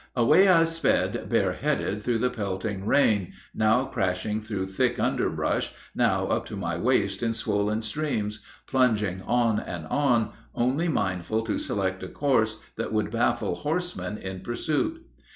Away I sped bareheaded through the pelting rain, now crashing through thick underbrush, now up to my waist in swollen streams, plunging on and on, only mindful to select a course that would baffle horsemen in pursuit.